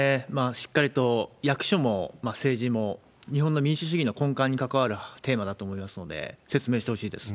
しっかりと役所も政治も、日本の民主主義の根幹にかかわるテーマだと思いますので、説明してほしいです。